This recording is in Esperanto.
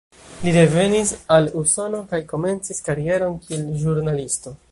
Li revenis al Usono kaj komencis karieron kiel ĵurnalisto.